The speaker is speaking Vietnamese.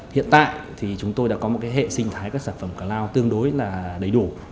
hiện tại thì chúng tôi đã có một hệ sinh thái các sản phẩm cloud tương đối là đầy đủ